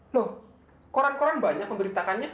loh koran koran banyak memberitakannya